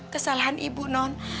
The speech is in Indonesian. kesalahan ibu non